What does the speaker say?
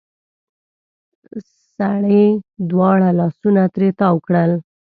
سړې دواړه لاسونه ترې تاو کړل.